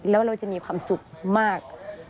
แล้วเราจะมีความสุขมาก